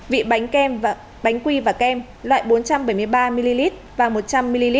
vị bánh quy và kem loại bốn trăm bảy mươi ba ml và một trăm linh ml